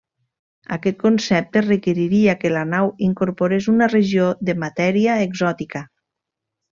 Aquest concepte requeriria que la nau incorporés una regió de matèria exòtica.